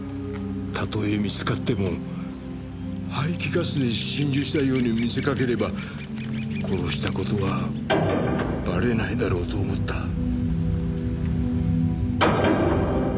たとえ見つかっても排気ガスで心中したように見せかければ殺した事はバレないだろうと思った。